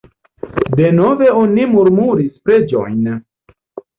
Denove oni murmuris preĝojn.